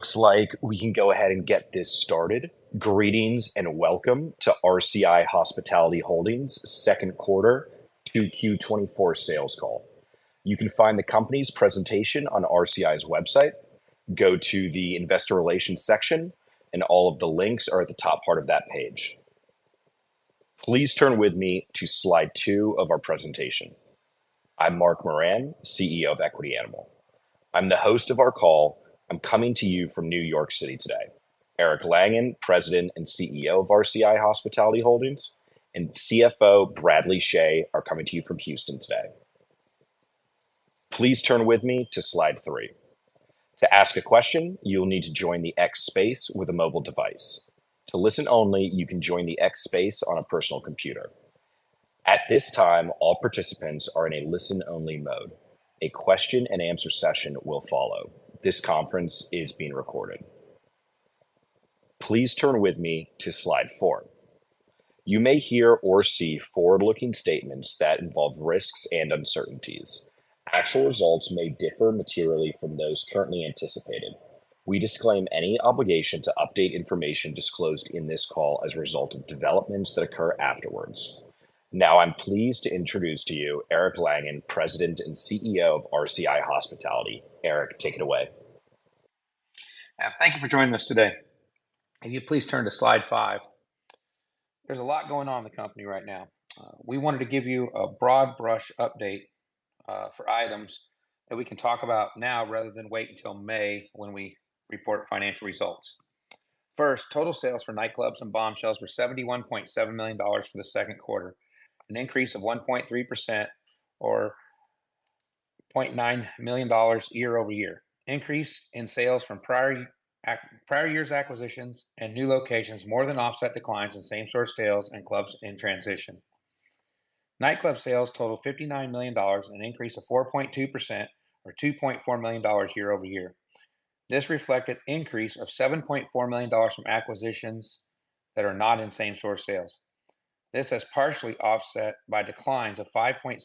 Looks like we can go ahead and get this started. Greetings, and welcome to RCI Hospitality Holdings second quarter 2Q 2024 sales call. You can find the company's presentation on RCI's website. Go to the Investor Relations section, and all of the links are at the top part of that page. Please turn with me to slide two of our presentation. I'm Mark Moran, CEO of Equity Animal. I'm the host of our call. I'm coming to you from New York City today. Eric Langan, President and CEO of RCI Hospitality Holdings, and CFO Bradley Chhay are coming to you from Houston today. Please turn with me to slide three. To ask a question, you'll need to join the X space with a mobile device. To listen only, you can join the X space on a personal computer. At this time, all participants are in a listen-only mode. A question and answer session will follow. This conference is being recorded. Please turn with me to slide four. You may hear or see forward-looking statements that involve risks and uncertainties. Actual results may differ materially from those currently anticipated. We disclaim any obligation to update information disclosed in this call as a result of developments that occur afterwards. Now, I'm pleased to introduce to you Eric Langan, President and CEO of RCI Hospitality. Eric, take it away. Thank you for joining us today. Can you please turn to slide five? There's a lot going on in the company right now. We wanted to give you a broad brush update, for items that we can talk about now, rather than wait until May, when we report financial results. First, total sales for nightclubs and Bombshells were $71.7 million for the second quarter, an increase of 1.3%, or $0.9 million year-over-year. Increase in sales from prior year's acquisitions and new locations more than offset declines in same-store sales and clubs in transition. Nightclub sales totaled $59 million, an increase of 4.2% or $2.4 million year-over-year. This reflected increase of $7.4 million from acquisitions that are not in same-store sales. This was partially offset by declines of 5.7%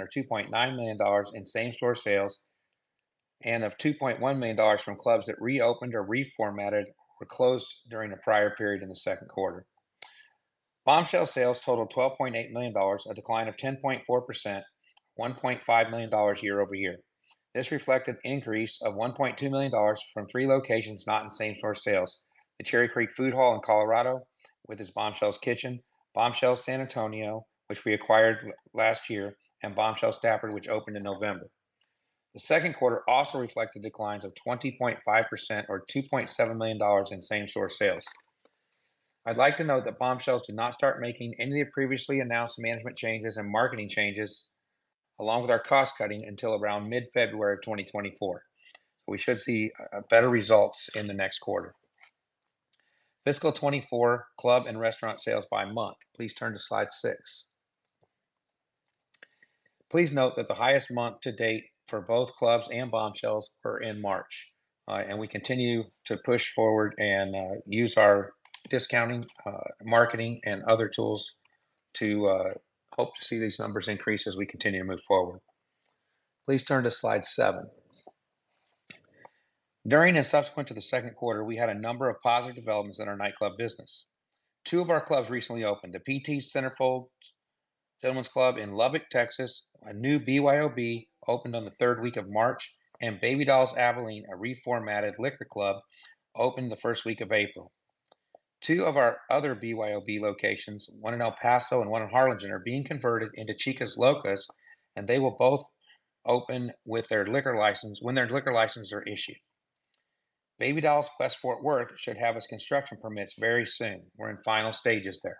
or $2.9 million in same-store sales, and of $2.1 million from clubs that reopened or reformatted or closed during the prior period in the second quarter. Bombshells sales totaled $12.8 million, a decline of 10.4%, $1.5 million year-over-year. This reflected increase of $1.2 million from three locations, not in same-store sales: the Cherry Creek Food Hall in Colorado, with its Bombshells Kitchen, Bombshells San Antonio, which we acquired last year, and Bombshells Stafford, which opened in November. The second quarter also reflected declines of 20.5%, or $2.7 million in same-store sales. I'd like to note that Bombshells did not start making any of the previously announced management changes and marketing changes, along with our cost cutting, until around mid-February 2024. We should see better results in the next quarter. Fiscal 2024 club and restaurant sales by month. Please turn to slide six. Please note that the highest month to date for both clubs and Bombshells are in March, and we continue to push forward and use our discounting, marketing, and other tools to hope to see these numbers increase as we continue to move forward. Please turn to slide 7. During and subsequent to the second quarter, we had a number of positive developments in our nightclub business. two of our clubs recently opened, the PT's Centerfold Gentlemen's Club in Lubbock, Texas. A new BYOB opened in the third week of March, and Baby Dolls Abilene, a reformatted liquor club, opened in the first week of April. Two of our other BYOB locations, one in El Paso and one in Harlingen, are being converted into Chicas Locas, and they will both open with their liquor license when their liquor licenses are issued. Baby Dolls Fort Worth should have its construction permits very soon. We're in final stages there.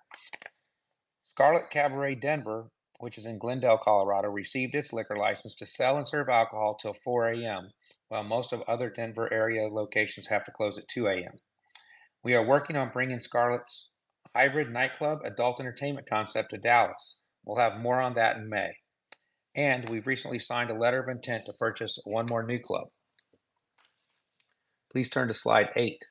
Scarlett's Cabaret Denver, which is in Glendale, Colorado, received its liquor license to sell and serve alcohol till 4:00 A.M., while most of other Denver area locations have to close at 2:00 A.M. We are working on bringing Scarlett's hybrid nightclub, adult entertainment concept to Dallas. We'll have more on that in May, and we've recently signed a letter of intent to purchase one more new club. Please turn to slide eight.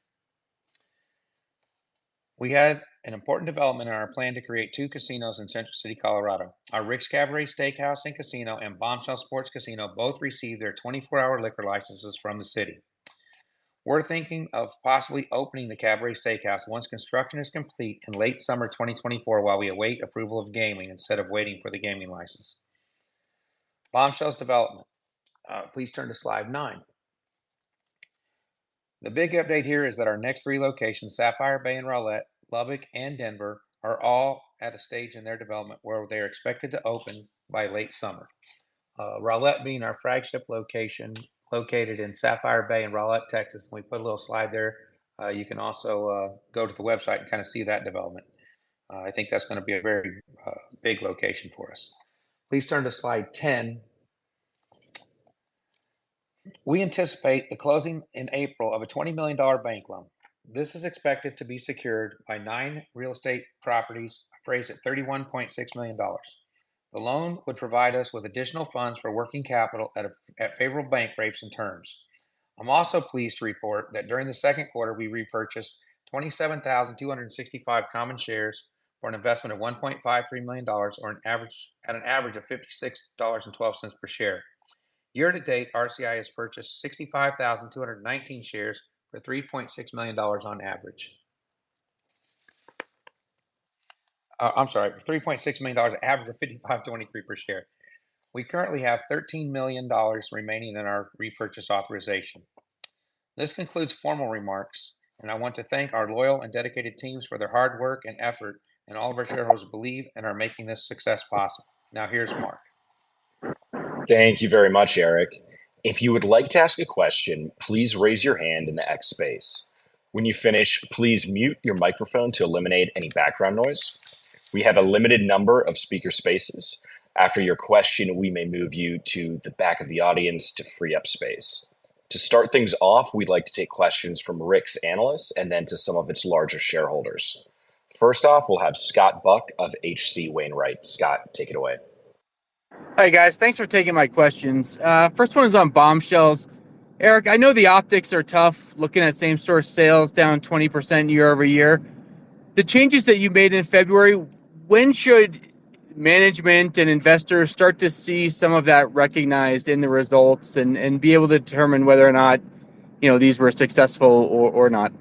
We had an important development in our plan to create two casinos in Central City, Colorado. Our Rick's Cabaret Steakhouse and Casino and Bombshells Sports Casino both received their 24-hour liquor licenses from the city. We're thinking of possibly opening the Cabaret Steakhouse once construction is complete in late summer 2024, while we await approval of gaming instead of waiting for the gaming license. Bombshells development, please turn to slide nine. The big update here is that our next three locations, Sapphire Bay in Rowlett, Lubbock, and Denver, are all at a stage in their development where they are expected to open by late summer. Rowlett being our flagship location, located in Sapphire Bay in Rowlett, Texas. We put a little slide there. You can also go to the website and kind of see that development. I think that's gonna be a very big location for us. Please turn to slide 10. We anticipate the closing in April of a $20 million bank loan. This is expected to be secured by nine real estate properties, appraised at $31.6 million. The loan would provide us with additional funds for working capital at favorable bank rates and terms. I'm also pleased to report that during the second quarter, we repurchased 27,265 common shares for an investment of $1.53 million or an average of $56.12 per share. Year to date, RCI has purchased 65,219 shares for $3.6 million on average $3.6 million, average of $55.23 per share. We currently have $13 million remaining in our repurchase authorization. This concludes formal remarks, and I want to thank our loyal and dedicated teams for their hard work and effort, and all of our shareholders believe and are making this success possible. Now here's Mark. Thank you very much, Eric. If you would like to ask a question, please raise your hand in the X space. When you finish, please mute your microphone to eliminate any background noise. We have a limited number of speaker spaces. After your question, we may move you to the back of the audience to free up space. To start things off, we'd like to take questions from Rick's analysts and then to some of its larger shareholders. First off, we'll have Scott Buck of H.C. Wainwright. Scott, take it away. Hi, guys. Thanks for taking my questions. First one is on Bombshells. Eric, I know the optics are tough, looking at same-store sales down 20% year-over-year. The changes that you made in February, when should management and investors start to see some of that recognized in the results and be able to determine whether or not, you know, these were successful or not?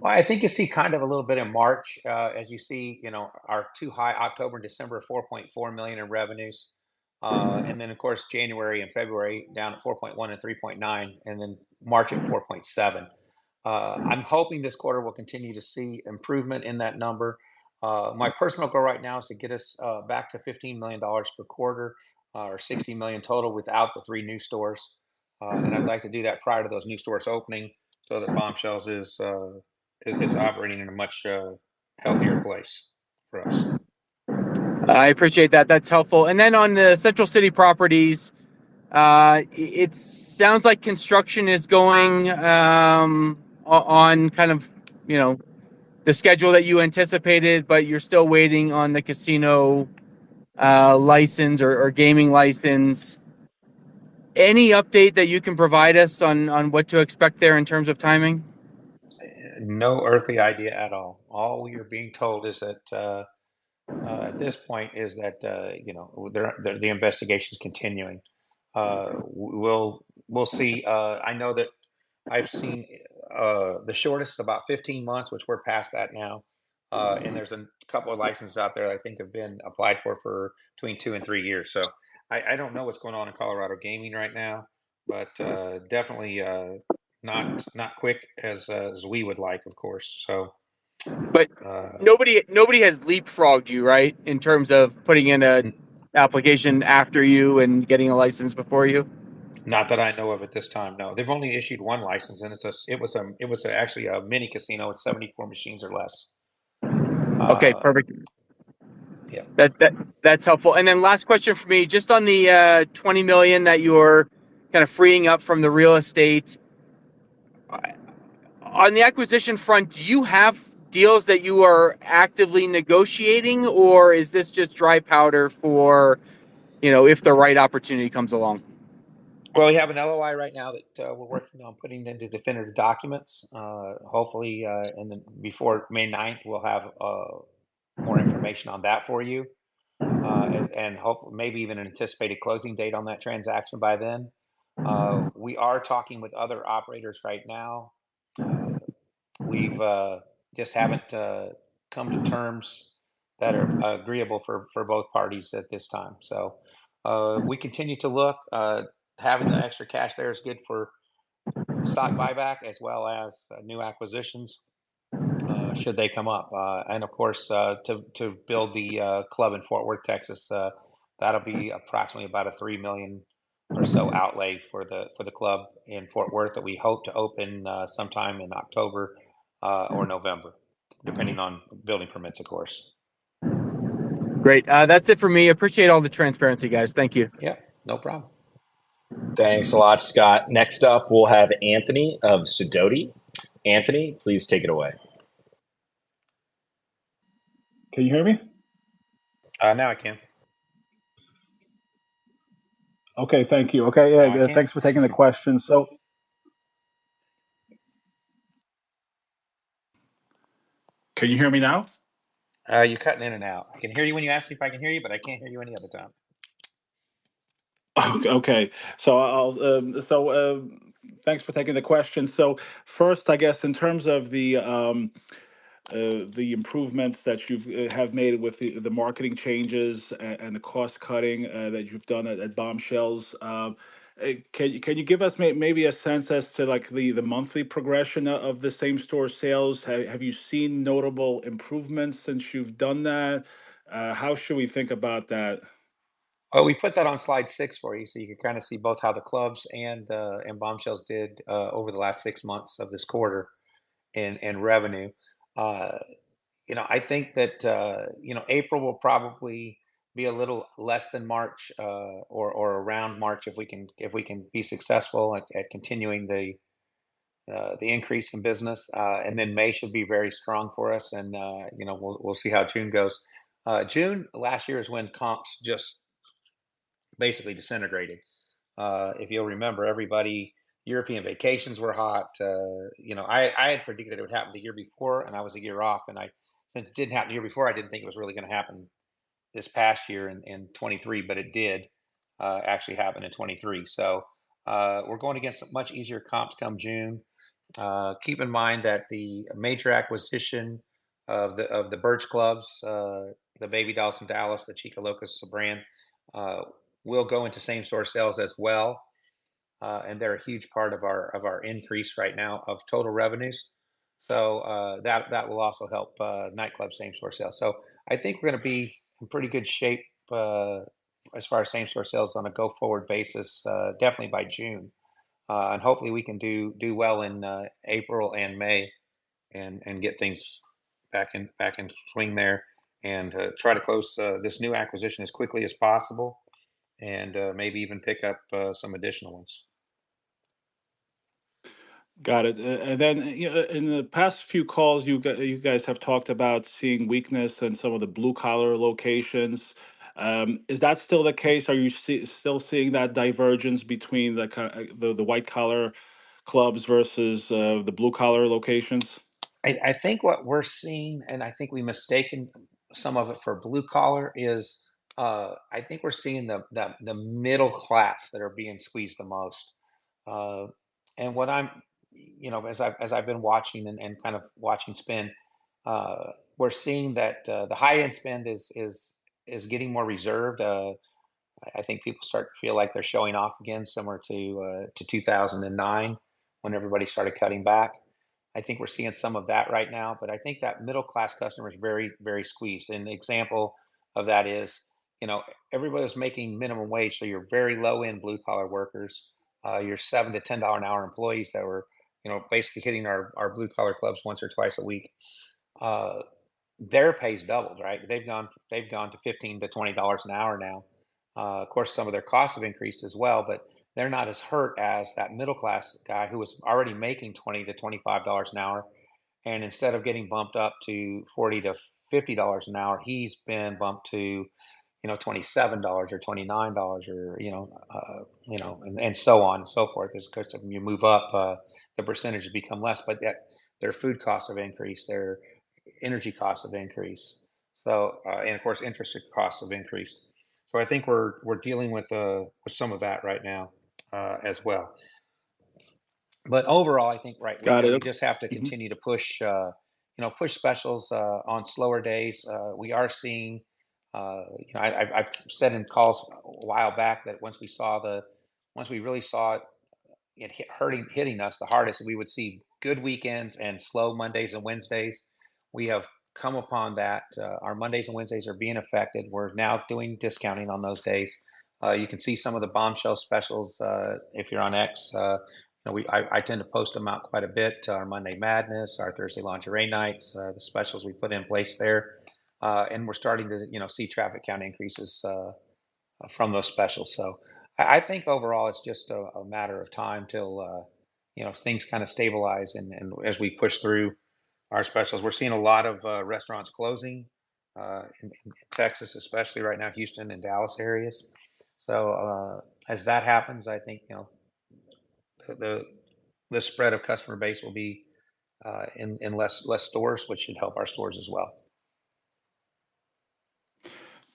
Well, I think you see kind of a little bit in March, as you see, you know, our two high October and December, $4.4 million in revenues. And then of course, January and February down to $4.1 million and $3.9 million, and then March at $4.7 million. I'm hoping this quarter we'll continue to see improvement in that number. My personal goal right now is to get us back to $15 million per quarter, or $60 million total without the three new stores. And I'd like to do that prior to those new stores opening so that Bombshells is operating in a much healthier place for us. I appreciate that. That's helpful. And then on the Central City properties, it sounds like construction is going on kind of, you know, the schedule that you anticipated, but you're still waiting on the casino license or gaming license. Any update that you can provide us on what to expect there in terms of timing? No earthly idea at all. All we are being told at this point is that you know the investigation's continuing. We'll see. I know that I've seen the shortest about 15 months, which we're past that now. And there's a couple of licenses out there I think have been applied for between two to three years. So I don't know what's going on in Colorado gaming right now, but definitely not quick as we would like, of course, so... But- Uh- Nobody, nobody has leapfrogged you, right? In terms of putting in an application after you and getting a license before you. Not that I know of at this time, no. They've only issued one license, and it's actually a mini casino with 74 machines or less. Okay, perfect. Yeah. That's helpful. And then last question for me, just on the $20 million that you're kind of freeing up from the real estate. On the acquisition front, do you have deals that you are actively negotiating, or is this just dry powder for, you know, if the right opportunity comes along? Well, we have an LOI right now that we're working on putting into definitive documents. Hopefully, and then before May 9th, we'll have more information on that for you, and maybe even an anticipated closing date on that transaction by then. We are talking with other operators right now. We've just haven't come to terms that are agreeable for both parties at this time. So, we continue to look, having the extra cash there is good for stock buyback as well as new acquisitions should they come up. And of course, to build the club in Fort Worth, Texas, that'll be approximately about a $3 million or so outlay for the club in Fort Worth that we hope to open sometime in October or November, depending on building permits, of course. Great. That's it for me. Appreciate all the transparency, guys. Thank you. Yeah, no problem. Thanks a lot, Scott. Next up, we'll have Anthony of Sidoti. Anthony, please take it away. Can you hear me? Now I can. Okay, thank you. Okay, yeah, yeah. I can. Thanks for taking the question. Can you hear me now? You're cutting in and out. I can hear you when you ask me if I can hear you, but I can't hear you any other time. Okay. So, thanks for taking the question. So first, I guess in terms of the improvements that you've made with the marketing changes and the cost cutting that you've done at Bombshells, can you give us maybe a sense as to like the monthly progression of the same-store sales? Have you seen notable improvements since you've done that? How should we think about that? We put that on slide six for you, so you can kind of see both how the clubs and and Bombshells did over the last six months of this quarter in revenue. You know, I think that, you know, April will probably be a little less than March or around March, if we can be successful at continuing the increase in business. And then May should be very strong for us, and, you know, we'll see how June goes. June last year is when comps just basically disintegrated. If you'll remember, everybody, European vacations were hot, you know, I had predicted it would happen the year before, and I was a year off, and I... Since it didn't happen the year before, I didn't think it was really gonna happen this past year in 2023, but it did actually happen in 2023. So, we're going against much easier comps come June. Keep in mind that the major acquisition of the Birch Clubs, the Baby Dolls in Dallas, the Chicas Locas, Sobran will go into same-store sales as well. And they're a huge part of our increase right now of total revenues. So, that will also help nightclub same-store sales. So I think we're gonna be in pretty good shape, as far as same-store sales on a go-forward basis, definitely by June. Hopefully we can do well in April and May, and get things back into swing there, and try to close this new acquisition as quickly as possible, and maybe even pick up some additional ones. Got it. And then, you know, in the past few calls, you guys have talked about seeing weakness in some of the blue-collar locations. Is that still the case? Are you still seeing that divergence between the white-collar clubs versus the blue-collar locations? I think what we're seeing, and I think we've mistaken some of it for blue-collar, is I think we're seeing the middle class that are being squeezed the most. And what I'm... You know, as I've been watching and kind of watching spend, we're seeing that the high-end spend is getting more reserved. I think people start to feel like they're showing off again, similar to 2009, when everybody started cutting back. I think we're seeing some of that right now, but I think that middle-class customer is very, very squeezed. An example of that is, you know, everybody was making minimum wage, so your very low-end blue-collar workers, your $7-$10 an hour employees that were, you know, basically hitting our, our blue-collar clubs once or twice a week, their pay's doubled, right? They've gone, they've gone to $15-$20 an hour now. Of course, some of their costs have increased as well, but they're not as hurt as that middle-class guy who was already making $20-$25 an hour, and instead of getting bumped up to $40-$50 an hour, he's been bumped to, you know, $27 or $29 or, you know, you know, and, and so on and so forth. As, 'cause you move up, the percentage become less, but yet their food costs have increased, their energy costs have increased, so... And of course, interest costs have increased. So I think we're dealing with some of that right now, as well. But overall, I think, right- Got it. We just have to continue- Mm-hmm... to push, you know, push specials, on slower days. We are seeing... You know, I've said in calls a while back that once we really saw it hitting us the hardest, we would see good weekends and slow Mondays and Wednesdays. We have come upon that. Our Mondays and Wednesdays are being affected. We're now doing discounting on those days. You can see some of the Bombshells specials, if you're on X. You know, I tend to post them out quite a bit, our Monday Madness, our Thursday Lingerie Nights, the specials we've put in place there. And we're starting to, you know, see traffic count increases, from those specials. So I think overall it's just a matter of time till, you know, things kind of stabilize and as we push through our specials. We're seeing a lot of restaurants closing in Texas especially right now, Houston and Dallas areas. So as that happens, I think, you know, the spread of customer base will be in less stores, which should help our stores as well.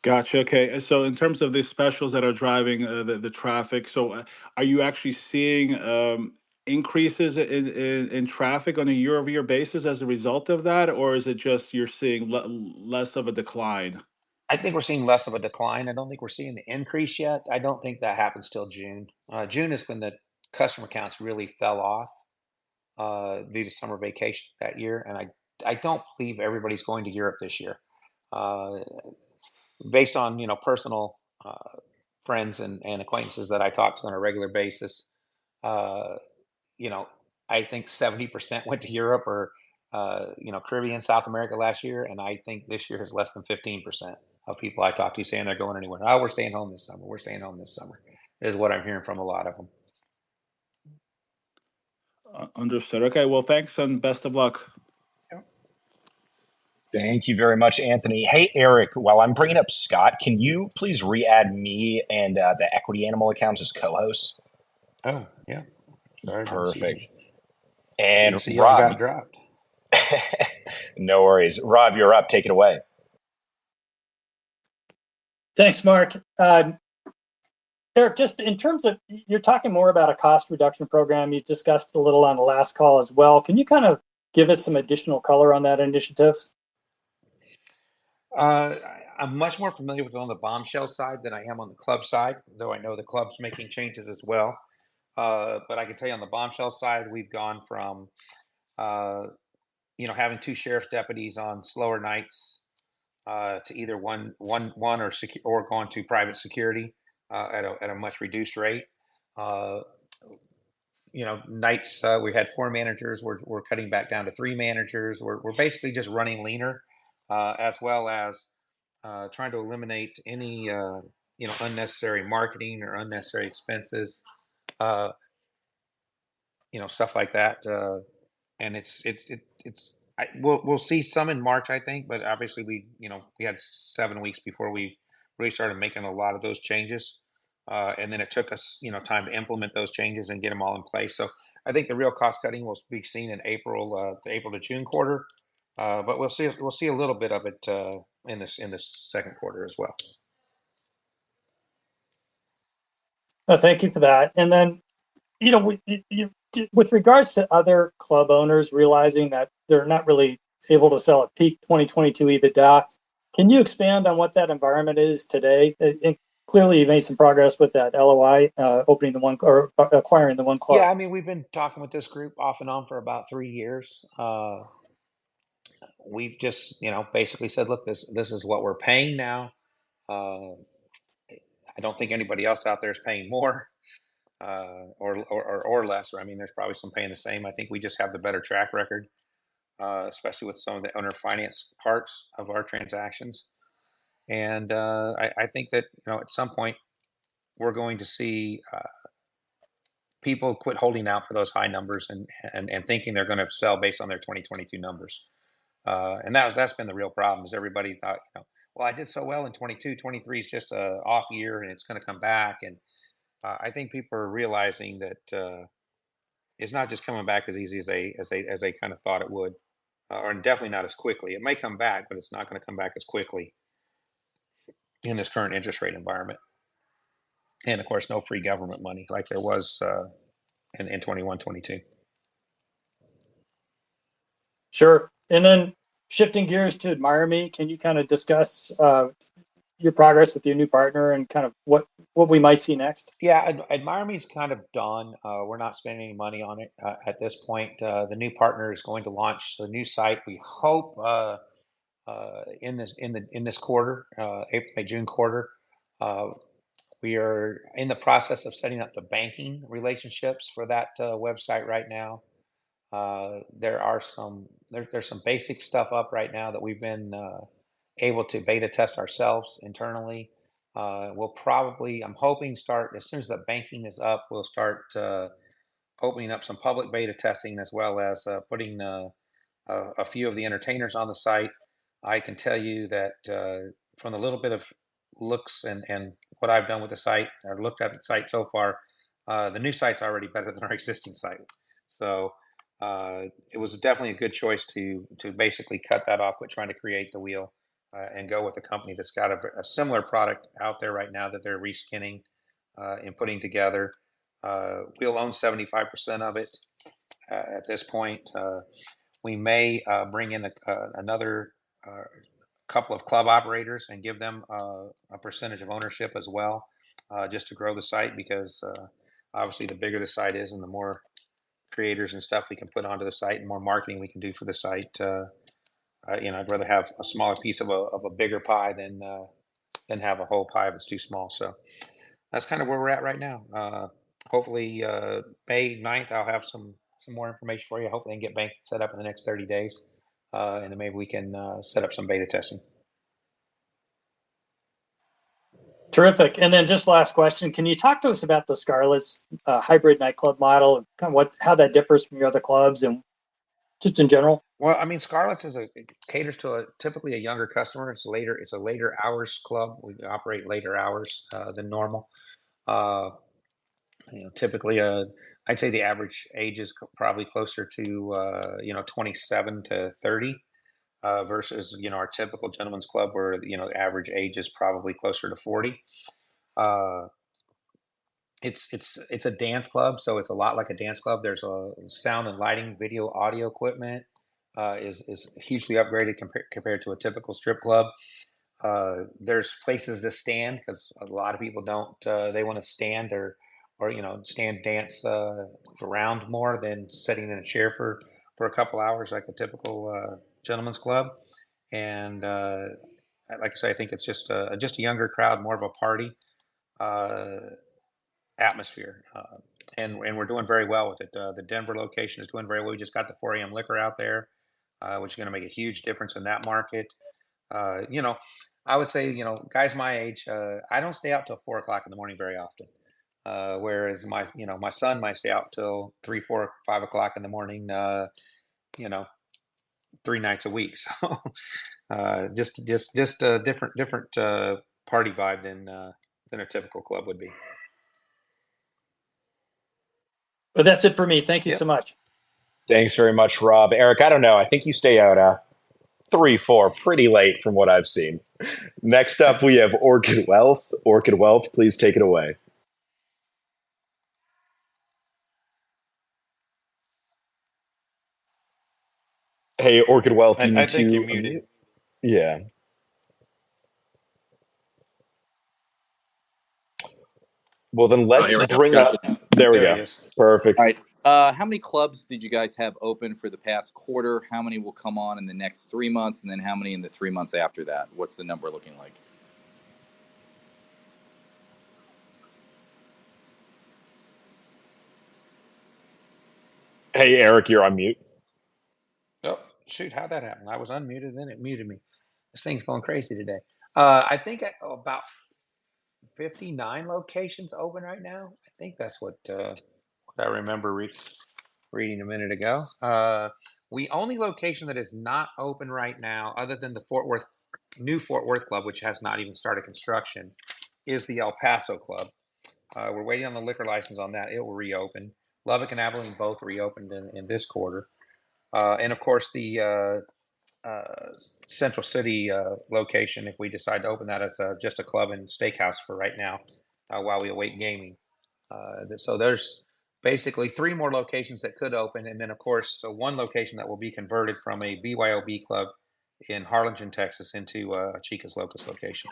Gotcha. Okay, and so in terms of the specials that are driving the traffic, so are you actually seeing increases in traffic on a year-over-year basis as a result of that? Or is it just you're seeing less of a decline? I think we're seeing less of a decline. I don't think we're seeing the increase yet. I don't think that happens till June. June is when the customer counts really fell off, due to summer vacation that year, and I don't believe everybody's going to Europe this year. Based on, you know, personal, friends and acquaintances that I talk to on a regular basis, you know, I think 70% went to Europe or, you know, Caribbean, South America last year, and I think this year is less than 15% of people I talked to saying they're going anywhere. "Oh, we're staying home this summer. We're staying home this summer," is what I'm hearing from a lot of them. Understood. Okay, well, thanks, and best of luck. Yep. Thank you very much, Anthony. Hey, Eric, while I'm bringing up Scott, can you please re-add me and the Equity Animal accounts as co-hosts? Oh, yeah. Sorry, Perfect. And Rob- Didn't see you got dropped. No worries. Rob, you're up. Take it away. Thanks, Mark. Eric, just in terms of... You're talking more about a cost reduction program. You discussed a little on the last call as well. Can you kind of give us some additional color on that initiatives? I'm much more familiar with it on the Bombshell side than I am on the club side, though I know the club's making changes as well. But I can tell you on the Bombshell side, we've gone from, you know, having two sheriff's deputies on slower nights, to either one or going to private security, at a much reduced rate. You know, nights we had four managers, we're cutting back down to three managers. We're basically just running leaner, as well as, trying to eliminate any, you know, unnecessary marketing or unnecessary expenses. You know, stuff like that. And it's, it's, I... We'll see some in March, I think, but obviously we, you know, we had seven weeks before we really started making a lot of those changes. And then it took us, you know, time to implement those changes and get them all in place. So I think the real cost-cutting will be seen in April, the April to June quarter. But we'll see a little bit of it in this second quarter as well. Well, thank you for that. And then, you know, with regards to other club owners realizing that they're not really able to sell at peak 2022 EBITDA, can you expand on what that environment is today? And clearly you've made some progress with that LOI, opening the one club or acquiring the one club. Yeah, I mean, we've been talking with this group off and on for about three years. We've just, you know, basically said, "Look, this is what we're paying now." I don't think anybody else out there is paying more, or less, or I mean, there's probably some paying the same. I think we just have the better track record, especially with some of the owner finance parts of our transactions. And I think that, you know, at some point we're going to see people quit holding out for those high numbers and thinking they're gonna sell based on their 2022 numbers. And that was... That's been the real problem, is everybody thought, "You know, well, I did so well in 2022. '23 is just an off year, and it's gonna come back." And I think people are realizing that it's not just coming back as easy as they kind of thought it would, or definitely not as quickly. It may come back, but it's not gonna come back as quickly in this current interest rate environment. And, of course, no free government money like there was in 2021, 2022. Sure. Then shifting gears to AdmireMe, can you kind of discuss your progress with your new partner and kind of what we might see next? Yeah, AdmireMe's kind of done. We're not spending any money on it at this point. The new partner is going to launch the new site, we hope, in this quarter, May, June quarter. We are in the process of setting up the banking relationships for that website right now. There are some... There's some basic stuff up right now that we've been able to beta test ourselves internally. We'll probably, I'm hoping, start, as soon as the banking is up, we'll start opening up some public beta testing as well as putting a few of the entertainers on the site. I can tell you that, from the little bit of looks and what I've done with the site, I've looked at the site so far, the new site's already better than our existing site. So, it was definitely a good choice to basically cut that off, with trying to create the wheel, and go with a company that's got a similar product out there right now that they're re-skinning and putting together. We'll own 75% of it, at this point. We may bring in another couple of club operators and give them a percentage of ownership as well, just to grow the site. Because, obviously, the bigger the site is and the more creators and stuff we can put onto the site and more marketing we can do for the site, you know, I'd rather have a smaller piece of a bigger pie than have a whole pie that's too small. So that's kind of where we're at right now. Hopefully, May 9th, I'll have some more information for you. Hopefully I can get banking set up in the next 30 days, and then maybe we can set up some beta testing. Terrific. And then just last question, can you talk to us about Scarlett's hybrid nightclub model, and kind of what's... how that differs from your other clubs and just in general? Well, I mean, Scarlett's is a... It caters to typically a younger customer. It's later, it's a later hours club. We operate later hours than normal. You know, typically, I'd say the average age is probably closer to, you know, 27 to 30 versus, you know, our typical gentleman's club where, you know, the average age is probably closer to 40. It's, it's a dance club, so it's a lot like a dance club. There's sound and lighting, video, audio equipment is hugely upgraded compared to a typical strip club. There's places to stand, 'cause a lot of people don't. They want to stand or, you know, stand, dance around more than sitting in a chair for a couple hours like the typical gentleman's club. Like I say, I think it's just a younger crowd, more of a party atmosphere. And we're doing very well with it. The Denver location is doing very well. We just got the 4:00 A.M. liquor out there, which is gonna make a huge difference in that market. You know, I would say, you know, guys my age, I don't stay out till 4:00 A.M. in the morning very often. Whereas my, you know, my son might stay out until 3:00 A.M., 4:00 A.M., 5:00 A.M. o'clock in the morning, you know, three nights a week. So, just a different party vibe than a typical club would be. Well, that's it for me. Yeah. Thank you so much. Thanks very much, Rob. Eric, I don't know. I think you stay out 3:00 A.M., 4:00 A.M., pretty late from what I've seen. Next up, we have Orchid Wealth. Orchid Wealth, please take it away. Hey, Orchid Wealth, I need you- I think you're muted. Yeah. Well, then let's bring up- Oh, here he is. There we go. There he is. Perfect. All right, how many clubs did you guys have open for the past quarter? How many will come on in the next three months, and then how many in the three months after that? What's the number looking like? Hey, Eric, you're on mute. Oh, shoot! How'd that happen? I was unmuted, then it muted me. This thing's going crazy today. I think at about 59 locations open right now. I think that's what I remember, research reading a minute ago. Only location that is not open right now, other than the Fort Worth, new Fort Worth club, which has not even started construction, is the El Paso club. We're waiting on the liquor license on that. It will reopen. Lubbock and Abilene both reopened in this quarter. And of course, the Central City location, if we decide to open that as just a club and steakhouse for right now, while we await gaming. So there's basically three more locations that could open, and then, of course, so one location that will be converted from a BYOB club in Harlingen, Texas, into a Chicas Locas location.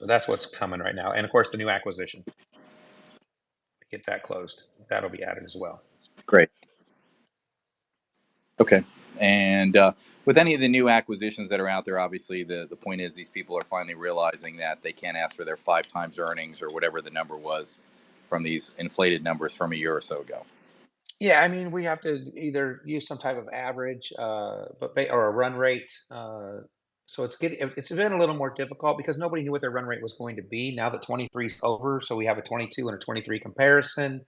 So that's what's coming right now, and of course, the new acquisition. Get that closed, that'll be added as well. Great. Okay, and, with any of the new acquisitions that are out there, obviously, the, the point is, these people are finally realizing that they can't ask for their five times earnings or whatever the number was from these inflated numbers from a year or so ago. Yeah, I mean, we have to either use some type of average, but they... or a run rate, so it's been a little more difficult because nobody knew what their run rate was going to be. Now that 2023 is over, so we have a 2022 and a 2023 comparison.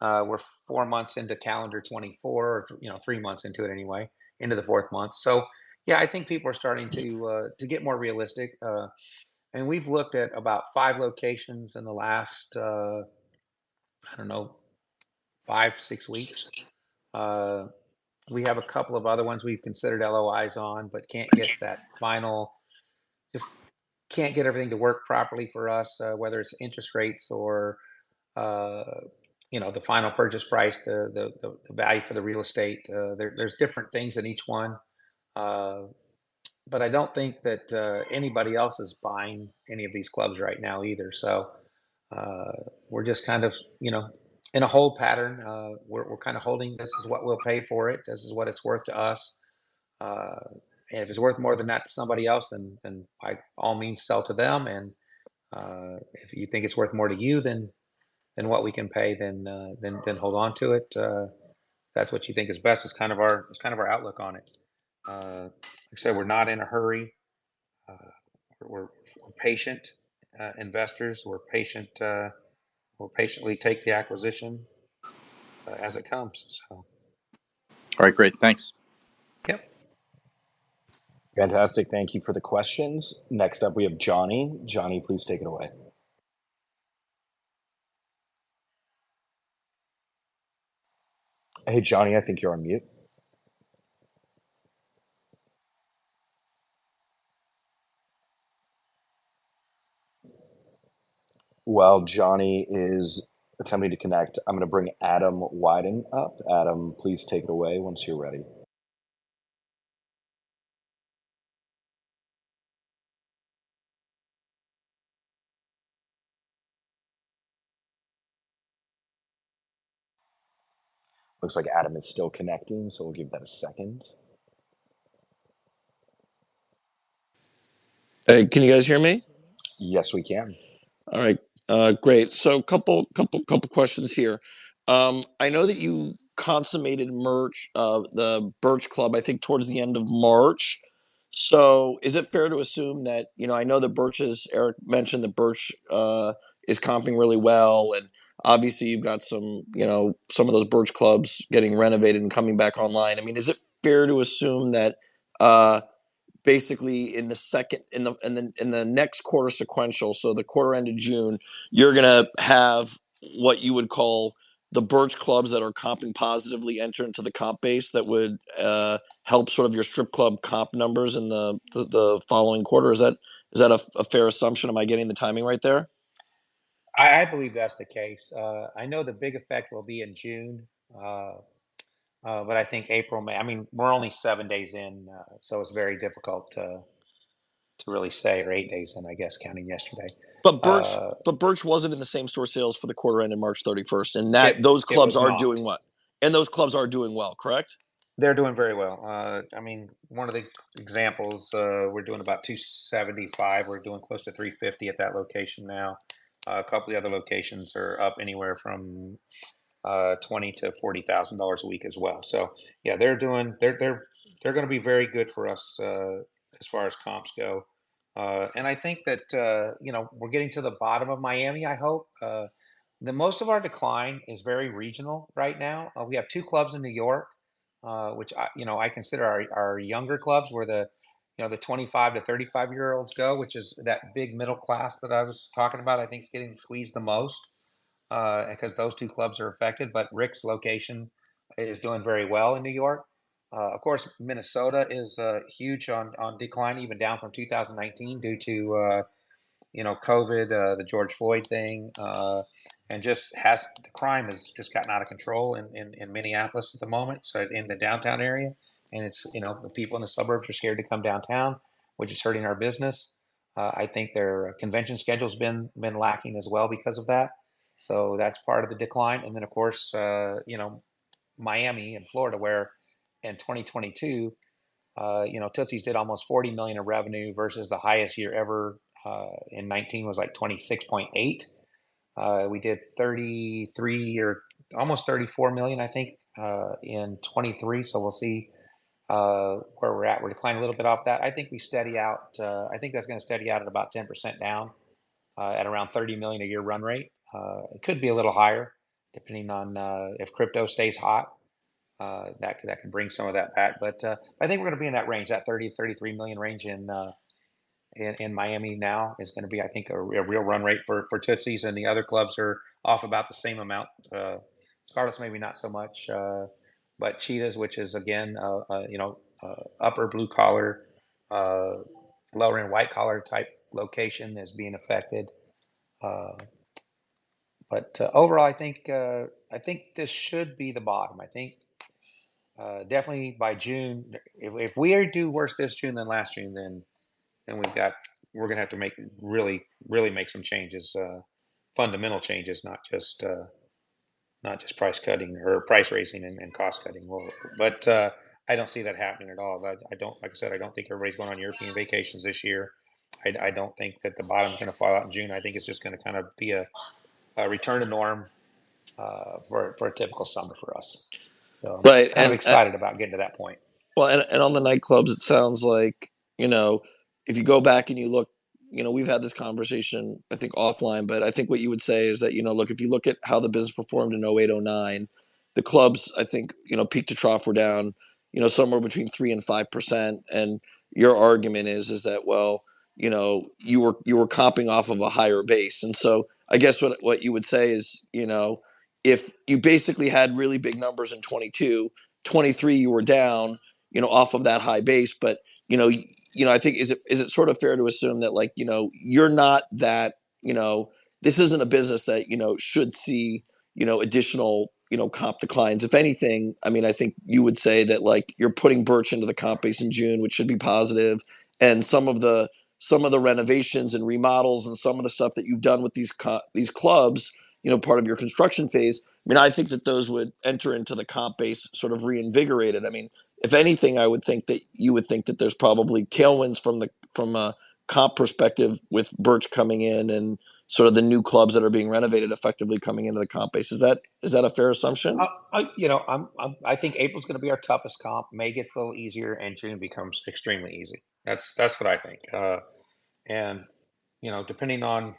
We're four months into calendar 2024, or, you know, three months into it anyway, into the fourth month. So yeah, I think people are starting to get more realistic. And we've looked at about five locations in the last, I don't know, five-six weeks. We have a couple of other ones we've considered LOIs on, but can't get that final... Just can't get everything to work properly for us, whether it's interest rates or, you know, the final purchase price, the value for the real estate. There's different things in each one. But I don't think that anybody else is buying any of these clubs right now either. So, we're just kind of, you know, in a hold pattern. We're kind of holding. This is what we'll pay for it. This is what it's worth to us. And if it's worth more than that to somebody else, then by all means, sell to them. And if you think it's worth more to you than what we can pay, then hold on to it. If that's what you think is best, it's kind of our outlook on it. Like I said, we're not in a hurry. We're patient investors. We're patient, we'll patiently take the acquisition as it comes, so. All right, great. Thanks. Yep. Fantastic. Thank you for the questions. Next up, we have Johnny. Johnny, please take it away. Hey, Johnny, I think you're on mute. While Johnny is attempting to connect, I'm gonna bring Adam Wyden up. Adam, please take it away once you're ready. Looks like Adam is still connecting, so we'll give that a second. Hey, can you guys hear me? Yes, we can. All right, great. So couple questions here. I know that you consummated merch, the Birch Club, I think, towards the end of March. So is it fair to assume that, you know, I know the Birches, Eric mentioned that Birch is comping really well, and obviously, you've got some, you know, some of those Birch clubs getting renovated and coming back online. I mean, is it fair to assume that, basically in the next quarter sequential, so the quarter end of June, you're gonna have what you would call the Birch clubs that are comping positively enter into the comp base that would help sort of your strip club comp numbers in the following quarter? Is that a fair assumption? Am I getting the timing right there? I believe that's the case. I know the big effect will be in June, but I think April, May, I mean, we're only seven days in, so it's very difficult to really say, or eight days in, I guess, counting yesterday. But Birch wasn't in the same-store sales for the quarter end in March 31st, and that- It was not.... those clubs are doing what? Those clubs are doing well, correct? They're doing very well. I mean, one of the examples, we're doing about $275. We're doing close to $350 at that location now. A couple of the other locations are up anywhere from $20,000-$40,000 a week as well. So yeah, they're doing. They're gonna be very good for us as far as comps go. And I think that, you know, we're getting to the bottom of Miami, I hope. The most of our decline is very regional right now. We have two clubs in New York, which I, you know, I consider our younger clubs, where the 25- to 35-year-olds go, which is that big middle class that I was talking about, I think is getting squeezed the most because those two clubs are affected. But Rick's location is doing very well in New York. Of course, Minnesota is huge on decline, even down from 2019 due to, you know, COVID, the George Floyd thing, and just crime has just gotten out of control in Minneapolis at the moment, so in the downtown area. And it's, you know, the people in the suburbs are scared to come downtown, which is hurting our business. I think their convention schedule's been lacking as well because of that, so that's part of the decline. And then, of course, you know, Miami and Florida, where in 2022, you know, Tootsie's did almost $40 million of revenue, versus the highest year ever, in 2019, was like $26.8 million. We did $33 million or almost $34 million, I think, in 2023, so we'll see where we're at. We declined a little bit off that. I think we steady out, I think that's gonna steady out at about 10% down at around $30 million a year run rate. It could be a little higher, depending on if crypto stays hot, that could bring some of that back. But I think we're gonna be in that range, that $30-$33 million range in Miami now is gonna be, I think, a real run rate for Tootsie's, and the other clubs are off about the same amount. Scarlett's maybe not so much, but Cheetah's, which is again, you know, upper blue-collar, lower-end white-collar-type location is being affected. But overall, I think this should be the bottom. I think definitely by June, if we do worse this June than last June, then we've got—we're gonna have to make really, really make some changes, fundamental changes, not just not just price-cutting or price-raising and cost-cutting. Well, but I don't see that happening at all. But I don't... Like I said, I don't think everybody's going on European vacations this year. I don't think that the bottom's gonna fall out in June. I think it's just gonna kind of be a return to norm for a typical summer for us. Right, and- I'm excited about getting to that point. Well, and on the nightclubs, it sounds like, you know, if you go back and you look... You know, we've had this conversation, I think, offline, but I think what you would say is that, you know, look, if you look at how the business performed in 2008, 2009, the clubs, I think, you know, peak to trough were down, you know, somewhere between 3%-5%, and your argument is that, well, you know, you were comping off of a higher base. So I guess what you would say is, you know, if you basically had really big numbers in 2022, 2023, you were down, you know, off of that high base. But, you know, I think is it sort of fair to assume that, like, you know, you're not that, you know... This isn't a business that, you know, should see, you know, additional, you know, comp declines. If anything, I mean, I think you would say that, like, you're putting Birch into the comp base in June, which should be positive, and some of the, some of the renovations and remodels and some of the stuff that you've done with these co- these clubs, you know, part of your construction phase, I mean, I think that those would enter into the comp base sort of reinvigorated. I mean, if anything, I would think that you would think that there's probably tailwinds from the, from a comp perspective with Birch coming in and sort of the new clubs that are being renovated effectively coming into the comp base. Is that, is that a fair assumption? You know, I think April's gonna be our toughest comp. May gets a little easier, and June becomes extremely easy. That's what I think. You know, depending on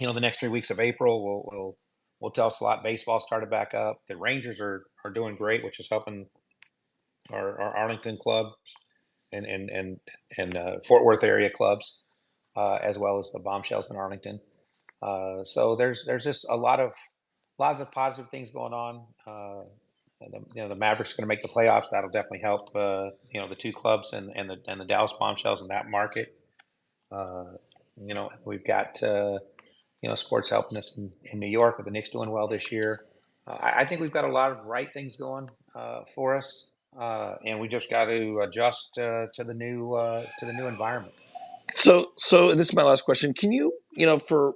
you know the next three weeks of April will tell us a lot. Baseball started back up. The Rangers are doing great, which is helping our Arlington club and Fort Worth area clubs, as well as the Bombshells in Arlington. So there's just a lot of positive things going on. You know, the Mavericks are gonna make the playoffs. That'll definitely help, you know, the two clubs and the Dallas Bombshells in that market. You know, we've got you know sports helping us in New York with the Knicks doing well this year. I think we've got a lot of right things going for us, and we just got to adjust to the new environment. So, this is my last question: Can you, you know, for,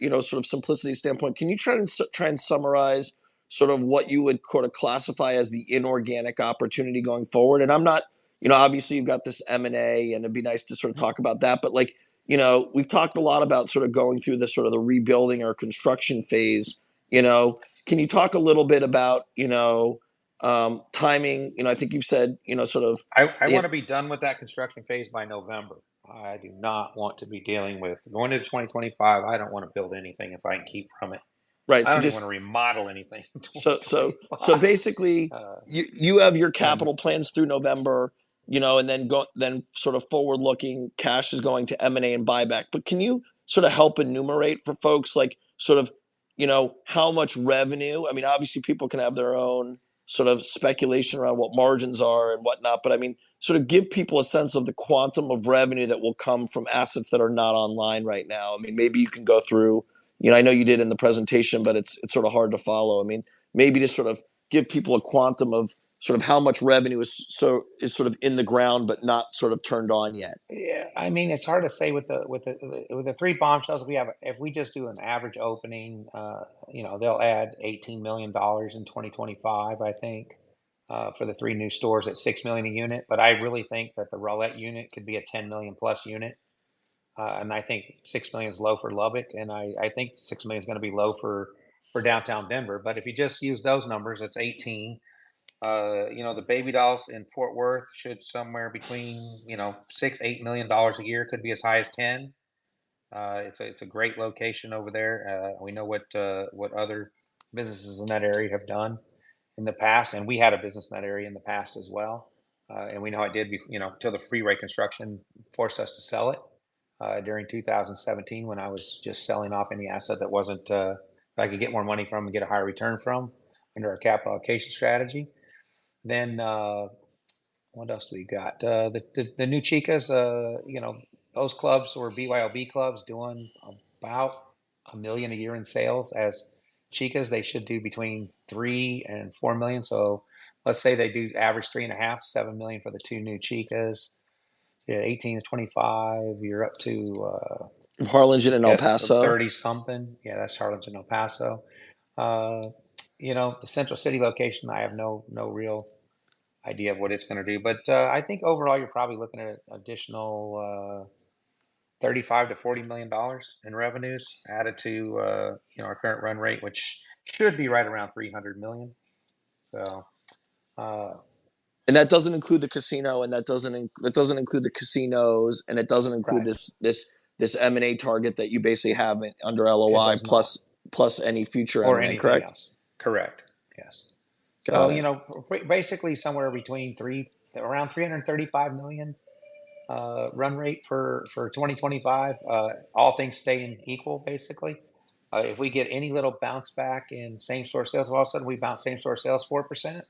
you know, sort of simplicity standpoint, can you try and summarize sort of what you would quote, "classify as the inorganic opportunity going forward?" And I'm not... You know, obviously, you've got this M&A, and it'd be nice to sort of talk about that, but like, you know, we've talked a lot about sort of going through the rebuilding or construction phase, you know. Can you talk a little bit about, you know, timing? You know, I think you've said, you know, sort of- I wanna be done with that construction phase by November. I do not want to be dealing with... Going into 2025, I don't wanna build anything if I can keep from it. Right. So just- I don't even wanna remodel anything in 2025. So basically- Uh... you have your capital plans through November, you know, and then sort of forward-looking cash is going to M&A and buyback. But can you sort of help enumerate for folks, like, sort of, you know, how much revenue? I mean, obviously, people can have their own sort of speculation around what margins are and whatnot, but, I mean, sort of give people a sense of the quantum of revenue that will come from assets that are not online right now. I mean, maybe you can go through... You know, I know you did in the presentation, but it's, it's sort of hard to follow. I mean, maybe just sort of give people a quantum of sort of how much revenue is sort of in the ground, but not sort of turned on yet. Yeah, I mean, it's hard to say with the three Bombshells we have. If we just do an average opening, you know, they'll add $18 million in 2025, I think, for the three new stores at $6 million a unit. But I really think that the Rowlett unit could be a $10 million-plus unit, and I think $6 million is low for Lubbock, and I think $6 million is gonna be low for downtown Denver. But if you just use those numbers, it's $18 million. You know, the Baby Dolls in Fort Worth should somewhere between, you know, $6-$8 million a year, could be as high as $10 million. It's a great location over there. We know what other businesses in that area have done in the past, and we had a business in that area in the past as well. And we know it did, you know, till the freeway construction forced us to sell it during 2017, when I was just selling off any asset that wasn't if I could get more money from and get a higher return from under our capital allocation strategy. Then what else we got? The new Chicas, you know, those clubs were BYOB clubs doing about $1 million a year in sales. As Chicas, they should do between $3 million and $4 million. So let's say they do average $3.5 million, $7 million for the two new Chicas. Yeah, $18 million-$25 million, you're up to. Harlingen and El Paso... yes, 30-something. Yeah, that's Harlingen, El Paso. You know, the Central City location, I have no, no real idea of what it's gonna do, but I think overall, you're probably looking at additional $35-$40 million in revenues added to, you know, our current run rate, which should be right around $300 million. So- And that doesn't include the casino, and that doesn't include the casinos, and it doesn't include- Right ...this M&A target that you basically have under LOI. It doesn't ...plus, plus any future M&A, correct? Or anything else. Correct. Yes. So- Well, you know, basically somewhere between thre, around $335 million run rate for 2025, all things staying equal, basically. If we get any little bounce back in same-store sales, all of a sudden we bounce same-store sales 4%.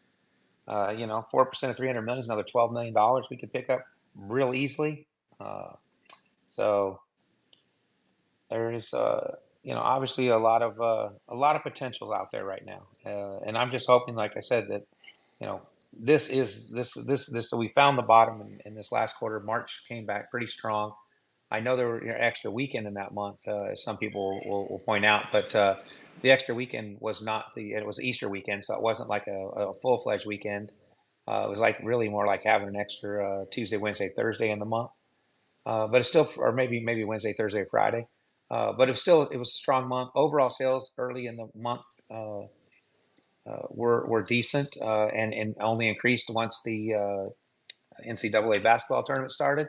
You know, 4% of $300 million is another $12 million we could pick up real easily. So there is, you know, obviously a lot of a lot of potential out there right now. And I'm just hoping, like I said, that, you know, this is, this, this, this... That we found the bottom in this last quarter. March came back pretty strong. I know there was an extra weekend in that month, some people will point out, but the extra weekend was not the... It was Easter weekend, so it wasn't like a full-fledged weekend. It was like, really more like having an extra Tuesday, Wednesday, Thursday in the month. But it's still... Or maybe Wednesday, Thursday, Friday. But it was still, it was a strong month. Overall sales early in the month were decent, and only increased once the NCAA basketball tournament started,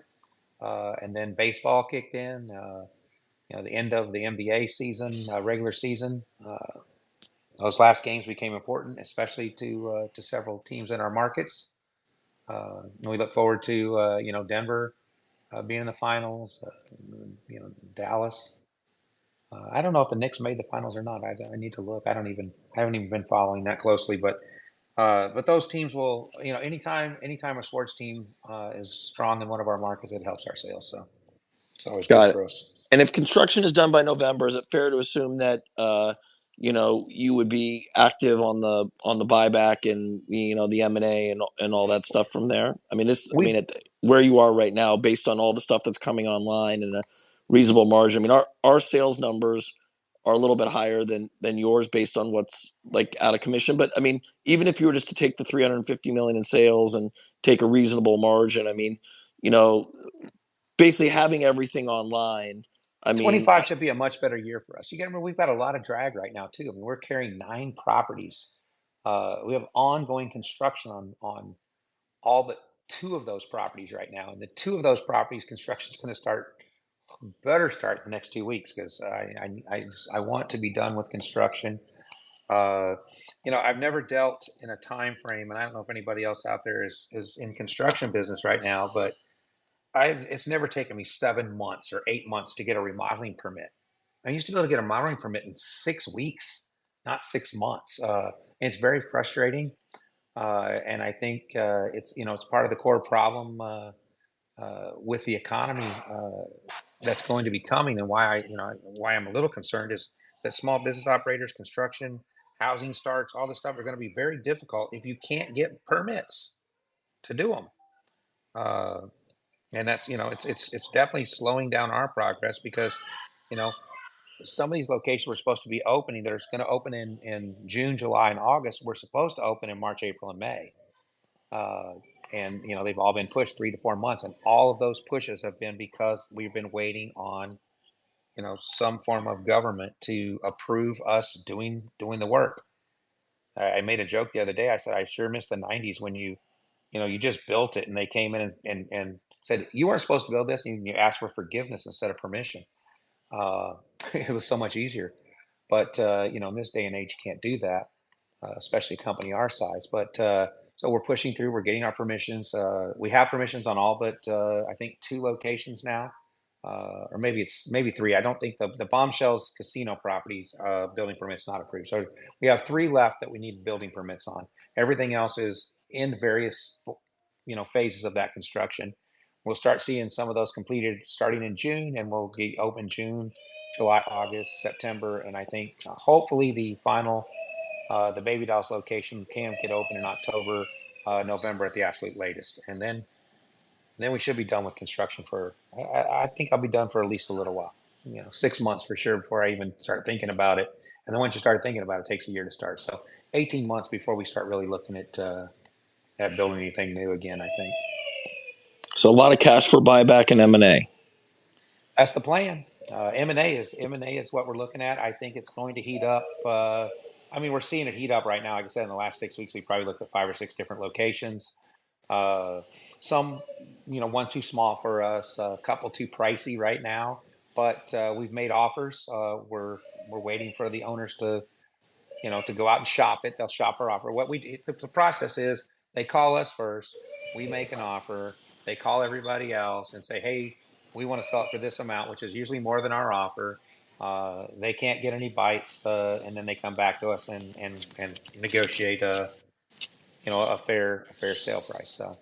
and then baseball kicked in, you know, the end of the NBA season, regular season, those last games became important, especially to several teams in our markets. And we look forward to, you know, Denver being in the finals, you know, Dallas. I don't know if the Knicks made the finals or not. I'd, I need to look. I don't even... I haven't even been following that closely, but, but those teams will... You know, anytime, anytime a sports team is strong in one of our markets, it helps our sales, so it's always good for us. Got it. And if construction is done by November, is it fair to assume that, you know, you would be active on the, on the buyback and, and all that stuff from there? I mean, this- We-... I mean, at where you are right now, based on all the stuff that's coming online and a reasonable margin, I mean, our, our sales numbers are a little bit higher than, than yours, based on what's, like, out of commission. But, I mean, even if you were just to take the $350 million in sales and take a reasonable margin, I mean, you know, basically having everything online, I mean- 25 should be a much better year for us. You gotta remember, we've got a lot of drag right now, too. I mean, we're carrying nine properties. We have ongoing construction on all but two of those properties right now, and the two of those properties, construction's gonna start, better start in the next two weeks, 'cause I want to be done with construction. You know, I've never dealt in a timeframe, and I don't know if anybody else out there is in construction business right now, but it's never taken me seven months or eight months to get a remodeling permit. I used to be able to get a remodeling permit in six weeks, not six months. And it's very frustrating, and I think it's, you know, it's part of the core problem with the economy that's going to be coming, and why I, you know, why I'm a little concerned is that small business operators, construction, housing starts, all this stuff are gonna be very difficult if you can't get permits to do them. And that's, you know, it's definitely slowing down our progress because, you know, some of these locations we're supposed to be opening that are gonna open in June, July, and August were supposed to open in March, April, and May. And, you know, they've all been pushed three to four months, and all of those pushes have been because we've been waiting on, you know, some form of government to approve us doing the work. I made a joke the other day. I said, "I sure miss the '90s when you, you know, you just built it, and they came in and said, 'You weren't supposed to build this,' and you asked for forgiveness instead of permission." It was so much easier. But, you know, in this day and age, you can't do that, especially a company our size. But, so we're pushing through, we're getting our permissions. We have permissions on all but, I think two locations now, or maybe three. I don't think... The Bombshells casino property, building permit's not approved. So we have three left that we need building permits on. Everything else is in various, you know, phases of that construction. We'll start seeing some of those completed starting in June, and we'll be open June, July, August, September, and I think, hopefully, the final, the Baby Dolls location, Pam, could open in October, November at the absolute latest. And then we should be done with construction for... I think I'll be done for at least a little while, you know, six months for sure, before I even start thinking about it. And then once you start thinking about it, it takes a year to start. So 18 months before we start really looking at, at building anything new again, I think. A lot of cash for buyback and M&A? That's the plan. M&A is, M&A is what we're looking at. I think it's going to heat up. I mean, we're seeing it heat up right now. Like I said, in the last six weeks, we've probably looked at five or six different locations. Some, you know, one too small for us, a couple too pricey right now, but, we've made offers. We're, we're waiting for the owners to, you know, to go out and shop it. They'll shop our offer. What we do, the, the process is, they call us first, we make an offer, they call everybody else and say, "Hey, we want to sell it for this amount," which is usually more than our offer. They can't get any bites, and then they come back to us and, and, and negotiate a, you know, a fair, a fair sale price. So,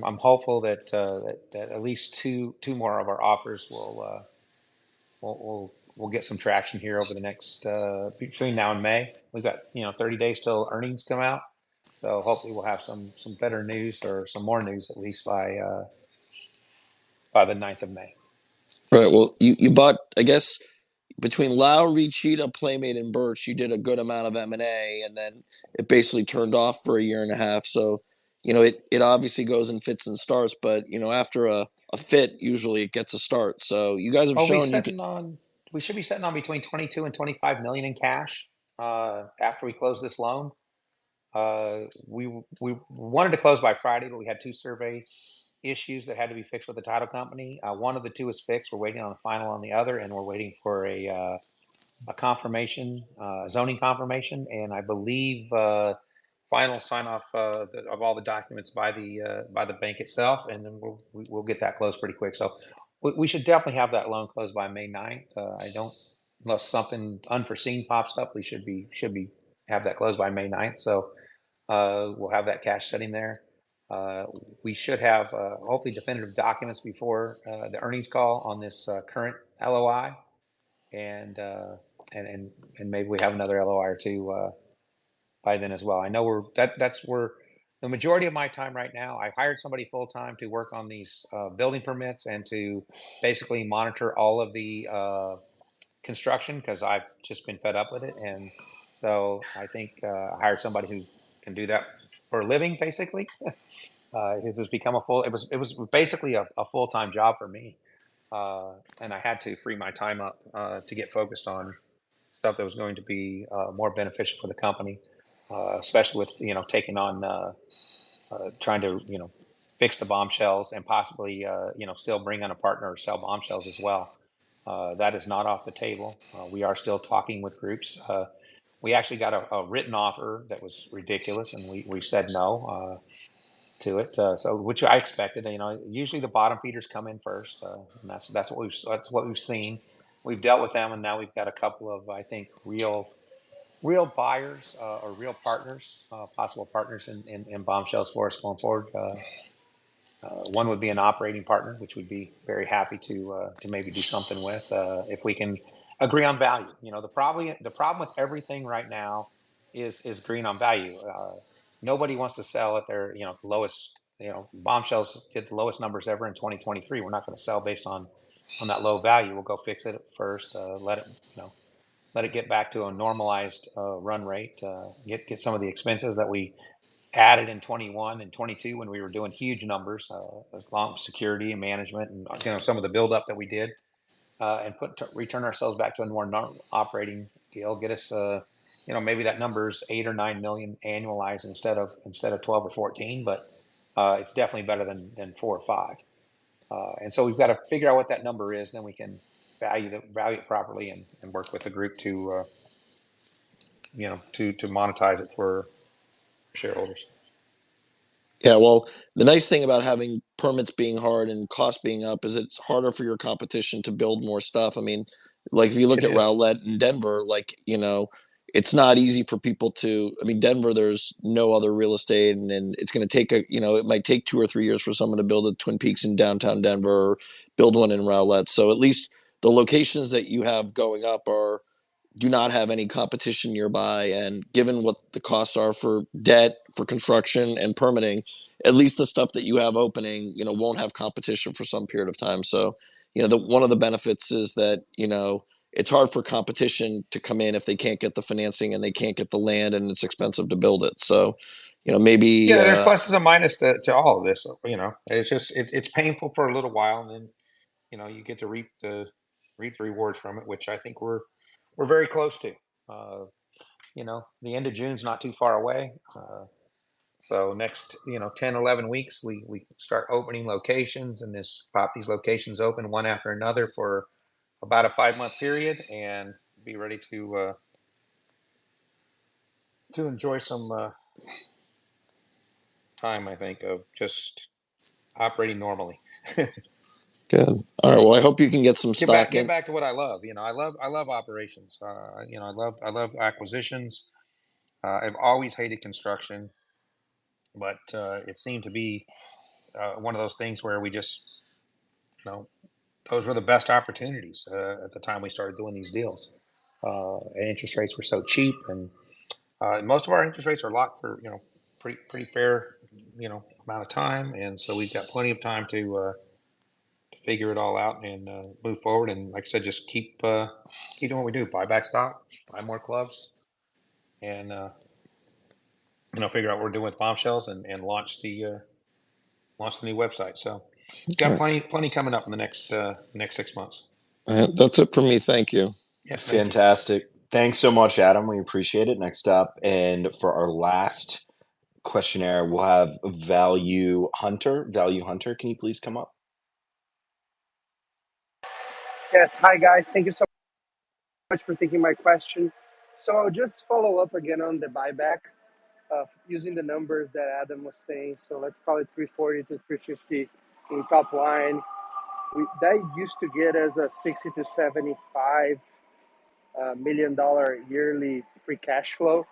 I'm hopeful that at least two more of our offers will get some traction here over the next between now and May. We've got, you know, 30 days till earnings come out, so hopefully we'll have some better news or some more news, at least by the ninth of May. Right. Well, you bought, I guess, between Lowrie, Cheetah, Playmate, and Birch, you did a good amount of M&A, and then it basically turned off for a year and a half. So, you know, it obviously goes in fits and starts, but, you know, after a fit, usually it gets a start. So you guys have shown you can- We should be sitting on between $22 million and $25 million in cash after we close this loan. We wanted to close by Friday, but we had two survey issues that had to be fixed with the title company. One of the two is fixed. We're waiting on the final on the other, and we're waiting for a confirmation, zoning confirmation, and I believe final sign-off of all the documents by the bank itself, and then we'll get that closed pretty quick. So we should definitely have that loan closed by May 9th. I don't... unless something unforeseen pops up, we should have that closed by May 9th. So we'll have that cash sitting there. We should have hopefully definitive documents before the earnings call on this current LOI, and, and, and, and maybe we have another LOI or two by then as well. That, that's where the majority of my time right now. I hired somebody full-time to work on these building permits and to basically monitor all of the construction, 'cause I've just been fed up with it. And so I think I hired somebody who can do that for a living, basically. It has become a full... It was basically a full-time job for me, and I had to free my time up to get focused on stuff that was going to be more beneficial for the company, especially with, you know, taking on trying to, you know, fix the Bombshells and possibly, you know, still bring in a partner to sell Bombshells as well. That is not off the table. We are still talking with groups. We actually got a written offer that was ridiculous, and we said no to it, so, which I expected. You know, usually the bottom feeders come in first, and that's what we've seen. We've dealt with them, and now we've got a couple of, I think, real, real buyers or real partners, possible partners in Bombshells for us going forward. One would be an operating partner, which we'd be very happy to maybe do something with, if we can agree on value. You know, the problem, the problem with everything right now is agreeing on value. Nobody wants to sell at their, you know, lowest. You know, Bombshells hit the lowest numbers ever in 2023. We're not gonna sell based on that low value. We'll go fix it first, let it, you know, let it get back to a normalized run rate, get some of the expenses that we added in 2021 and 2022 when we were doing huge numbers, as Bombshells security and management, and, you know, some of the buildup that we did, and return ourselves back to a more normal operating deal. Get us, you know, maybe that number is $8 million or $9 million annualized instead of, instead of $12 million or $14 million, but it's definitely better than $4 million or $5 million. And so we've got to figure out what that number is, then we can value it properly and work with the group to, you know, to monetize it for shareholders. Yeah, well, the nice thing about having permits being hard and costs being up is it's harder for your competition to build more stuff. I mean, like, if you look at Rowlett- It is... and Denver, like, you know, it's not easy for people to... I mean, Denver, there's no other real estate, and then it's gonna take a, you know, it might take two or three years for someone to build a Twin Peaks in downtown Denver or build one in Rowlett. So at least the locations that you have going up are, do not have any competition nearby, and given what the costs are for debt, for construction, and permitting, at least the stuff that you have opening, you know, won't have competition for some period of time. So, you know, the, one of the benefits is that, you know, it's hard for competition to come in if they can't get the financing, and they can't get the land, and it's expensive to build it. So, you know, maybe, Yeah, there's pluses and minus to all of this, so, you know. It's just, it's painful for a little while, and then, you know, you get to reap the rewards from it, which I think we're very close to. You know, the end of June's not too far away. So next, you know, 10, 11 weeks, we start opening locations, and pop these locations open one after another for about a five month period and be ready to enjoy some time, I think, of just operating normally. Good. All right, well, I hope you can get some stock in. Get back, get back to what I love. You know, I love, I love operations. You know, I love, I love acquisitions. I've always hated construction, but it seemed to be one of those things where we just... You know, those were the best opportunities at the time we started doing these deals. Interest rates were so cheap, and most of our interest rates are locked for, you know, pretty, pretty fair, you know, amount of time, and so we've got plenty of time to figure it all out and move forward and, like I said, just keep keeping what we do, buy back stock, buy more clubs, and you know, figure out what we're doing with Bombshells and launch the new website. So- Sure... got plenty, plenty coming up in the next, next six months. That's it for me. Thank you. Yeah. Fantastic. Thanks so much, Adam. We appreciate it. Next up, for our last questioner, we'll have Value Hunter. Value Hunter, can you please come up? Yes. Hi, guys. Thank you so much for taking my question. So just follow up again on the buyback, using the numbers that Adam was saying. So let's call it $340-$350 million in top line. We... That used to get us $60-$75 million yearly free cash flow,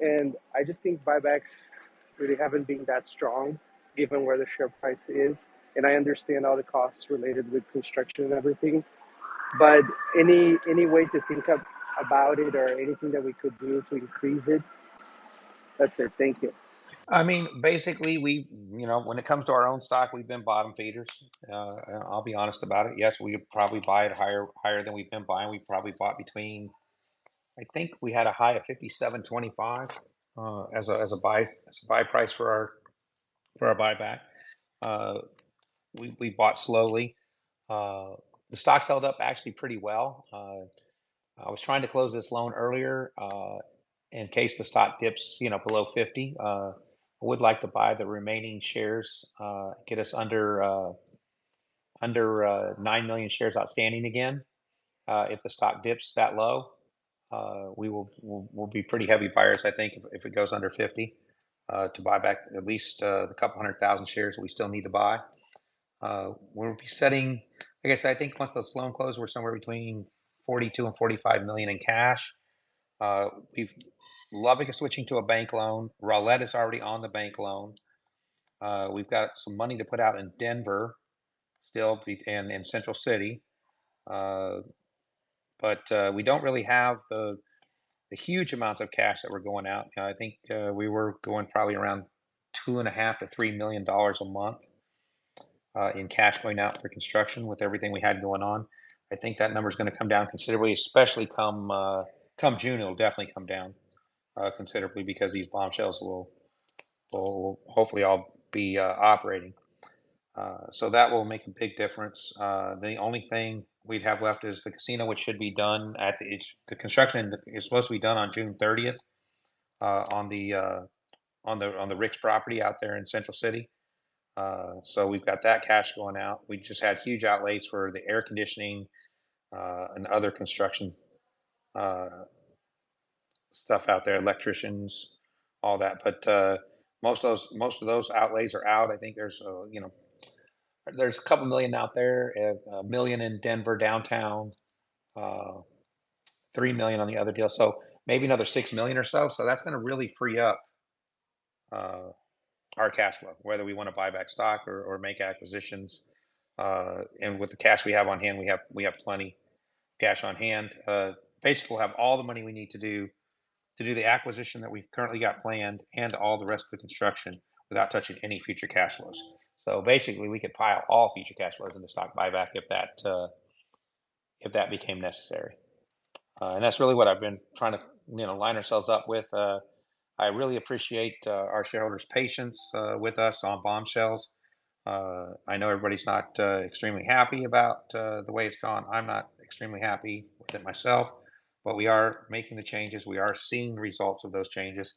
and I just think buybacks really haven't been that strong given where the share price is, and I understand all the costs related with construction and everything, but any way to think about it or anything that we could do to increase it? That's it. Thank you. I mean, basically, we, you know, when it comes to our own stock, we've been bottom feeders. I'll be honest about it. Yes, we probably buy it higher, higher than we've been buying. We've probably bought between, I think we had a high of $57.25, as a buy price for our buyback. We bought slowly. The stock's held up actually pretty well. I was trying to close this loan earlier, in case the stock dips, you know, below $50. I would like to buy the remaining shares, get us under 9 million shares outstanding again. If the stock dips that low, we'll be pretty heavy buyers, I think, if it goes under 50, to buy back at least 200,000 shares we still need to buy. We'll be setting... Like I said, I think once this loan closes, we're somewhere between $42-$45 million in cash. We've... Lubbock is switching to a bank loan. Rowlett is already on the bank loan. We've got some money to put out in Denver, still, and in Central City. But we don't really have the huge amounts of cash that were going out. You know, I think we were going probably around $2.5-$3 million a month in cash going out for construction with everything we had going on. I think that number's gonna come down considerably, especially come June, it'll definitely come down considerably because these Bombshells will hopefully all be operating. So that will make a big difference. The only thing we'd have left is the casino, which should be done at the—the construction is supposed to be done on June 30th on the Rick's property out there in Central City. So we've got that cash going out. We've just had huge outlays for the air conditioning and other construction stuff out there, electricians, all that. But most of those outlays are out. I think there's, you know, there's a couple million out there, $1 million in Denver downtown, $3 million on the other deal, so maybe another $6 million or so. So that's gonna really free up our cash flow, whether we wanna buy back stock or make acquisitions. And with the cash we have on hand, we have plenty cash on hand. Basically, we'll have all the money we need to do the acquisition that we've currently got planned and all the rest of the construction without touching any future cash flows. So basically, we could pile all future cash flows in the stock buyback if that became necessary. And that's really what I've been trying to, you know, line ourselves up with. I really appreciate our shareholders' patience with us on Bombshells. I know everybody's not extremely happy about the way it's gone. I'm not extremely happy with it myself, but we are making the changes. We are seeing the results of those changes,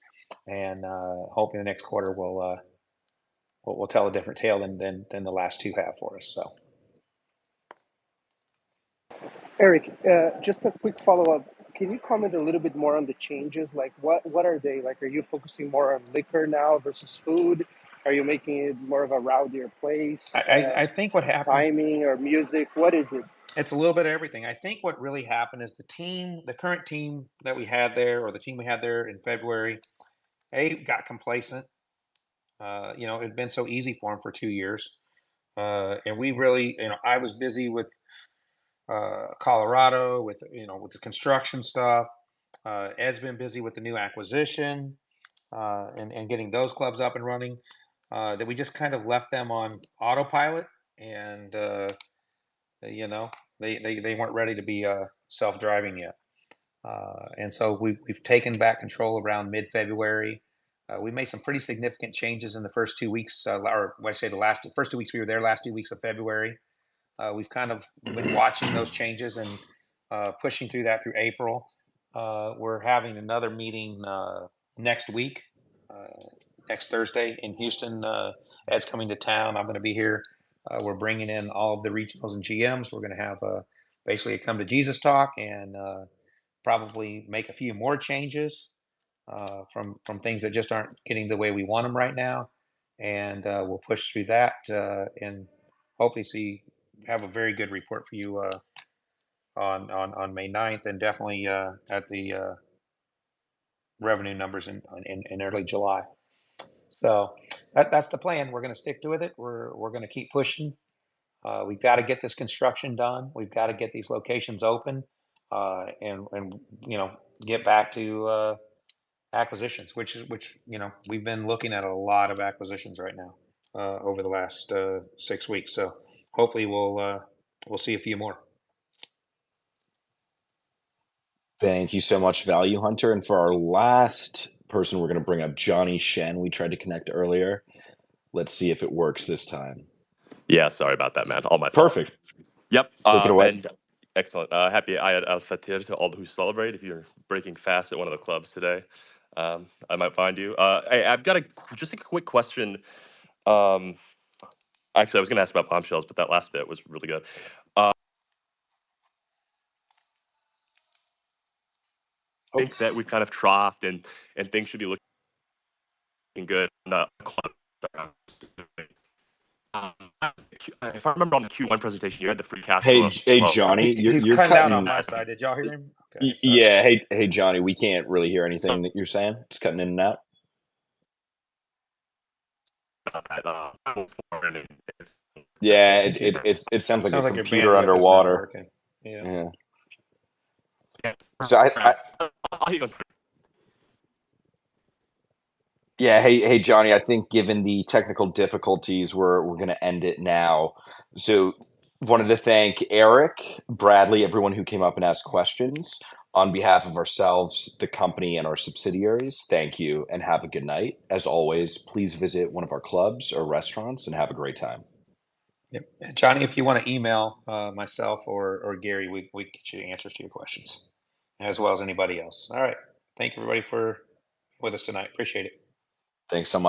and hoping the next quarter will tell a different tale than the last two have for us, so. Eric, just a quick follow-up. Can you comment a little bit more on the changes? Like, what, what are they? Like, are you focusing more on liquor now versus food? Are you making it more of a rowdier place? I think what happened- Timing or music, what is it? It's a little bit of everything. I think what really happened is the team, the current team that we had there or the team we had there in February, got complacent. You know, it had been so easy for them for two years. And we really... And I was busy with Colorado, with, you know, with the construction stuff. Ed's been busy with the new acquisition, and getting those clubs up and running, that we just kind of left them on autopilot, and, you know, they weren't ready to be self-driving yet. And so we've taken back control around mid-February. We made some pretty significant changes in the first two weeks of... or when I say the last, first two weeks we were there, last two weeks of February. We've kind of been watching those changes and pushing through that through April. We're having another meeting next week, next Thursday in Houston. Ed's coming to town. I'm gonna be here. We're bringing in all of the regionals and GMs. We're gonna have, basically, a come to Jesus talk and probably make a few more changes from things that just aren't getting the way we want them right now. And we'll push through that and hopefully see, have a very good report for you on May 9th, and definitely at the revenue numbers in early July. So that's the plan. We're gonna stick to it. We're gonna keep pushing. We've got to get this construction done. We've got to get these locations open, and you know, get back to acquisitions, which you know, we've been looking at a lot of acquisitions right now over the last six weeks. So hopefully we'll see a few more. Thank you so much, Value Hunter. And for our last person, we're gonna bring up Johnny Shen. We tried to connect earlier. Let's see if it works this time. Yeah, sorry about that, man. All my- Perfect. Yep. Take it away. Excellent. Happy Eid al-Fitr to all who celebrate. If you're breaking fast at one of the clubs today, I might find you. I've got just a quick question. Actually, I was gonna ask about Bombshells, but that last bit was really good. I think that we've kind of troughed and things should be looking good in the club. If I remember on the Q1 presentation, you had the free cash- Hey, hey, Johnny, you're, you're cutting out. He cut out on my side. Did y'all hear him? Okay. Yeah. Hey, hey, Johnny, we can't really hear anything that you're saying. It's cutting in and out. I, uh, Yeah, it sounds like a computer underwater. Sounds like your internet just not working. Yeah. Yeah. So I Audio- Yeah. Hey, hey, Johnny, I think given the technical difficulties, we're, we're gonna end it now. So wanted to thank Eric, Bradley, everyone who came up and asked questions. On behalf of ourselves, the company, and our subsidiaries, thank you, and have a good night. As always, please visit one of our clubs or restaurants, and have a great time. Yep. Johnny, if you want to email myself or Gary, we can get you the answers to your questions, as well as anybody else. All right. Thank you, everybody, for with us tonight. Appreciate it. Thanks so much-